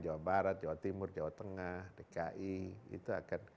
jawa barat jawa timur jawa tengah dki itu akan